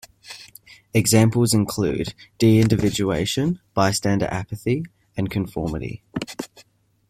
Examples include: deindividuation, bystander apathy, and conformity.